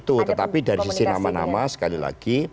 tetapi dari sisi nama nama sekali lagi